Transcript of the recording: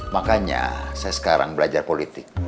makanya saya sekarang belajar politik